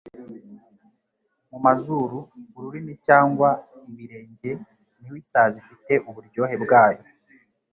Mu mazuru, ururimi cyangwa ibirenge, niho isazi ifite "uburyohe bwayo"